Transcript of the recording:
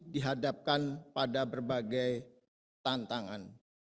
dihadapkan pada berbagai tantangan